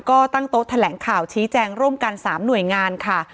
ก็ตั้งโต๊ะแถลงข่าวชี้แจงร่วมกัน๓หน่วยงานค่ะ